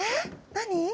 何？